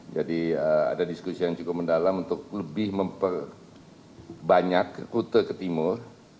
jadi ada diskusi yang cukup mendalam untuk lebih memperbanyak rute ke timur